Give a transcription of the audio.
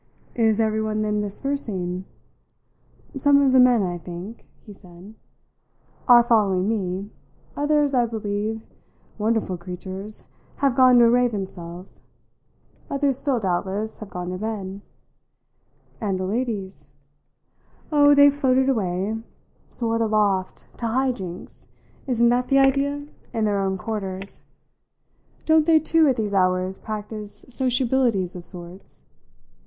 "Is everyone then dispersing?" "Some of the men, I think," he said, "are following me; others, I believe wonderful creatures! have gone to array themselves. Others still, doubtless, have gone to bed." "And the ladies?" "Oh, they've floated away soared aloft; to high jinks isn't that the idea? in their own quarters. Don't they too, at these hours, practise sociabilities of sorts?